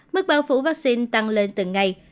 mức bão phủ vaccine tăng lên từng ngày